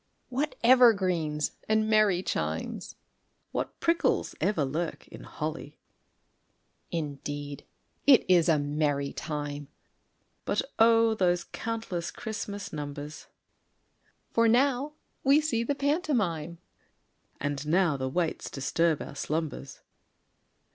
_) What evergreens and merry chimes! (What prickles ever lurk in holly!) Indeed it is a merry time; (But O! those countless Christmas numbers!) For now we see the pantomime, (_And now the waits disturb our slumbers.